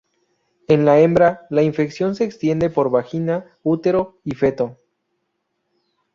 En la hembra la infección se extiende por vagina, útero y feto.